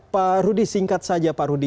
pak rudy singkat saja pak rudi